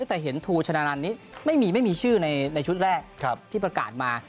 แต่เห็นทูชนะนันนี้ไม่มีชื่อในชุดแรกที่ประกาศมา